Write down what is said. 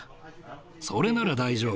それなら大丈夫。